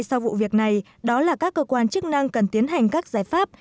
sau vụ việc này đó là các cơ quan chức năng cần tiến hành các giải pháp